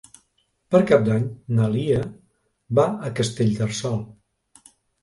Per Cap d'Any na Lia va a Castellterçol.